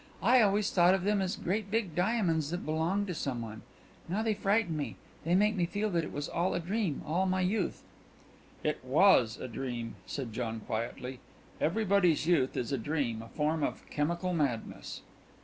I always thought of them as great big diamonds that belonged to some one. Now they frighten me. They make me feel that it was all a dream, all my youth." "It was a dream," said John quietly. "Everybody's youth is a dream, a form of chemical madness."